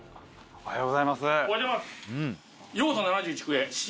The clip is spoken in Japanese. おはようございます！